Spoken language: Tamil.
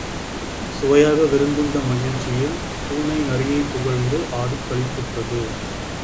சுவையாக விருந்துண்ட மகிழ்ச்சியில் பூனை நரியைப் புகழ்ந்து ஆடிக் களிப்புற்றது.